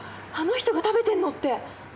あの人が食べてんのって。